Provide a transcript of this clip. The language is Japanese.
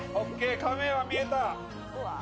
亀は見れた。